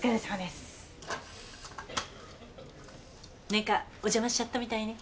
何かお邪魔しちゃったみたいね。